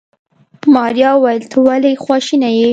ماريا وويل ته ولې خواشيني يې.